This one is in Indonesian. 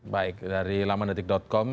baik dari lamandetik com